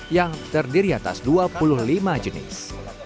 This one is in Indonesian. yang terdiri atas dua puluh lima jenis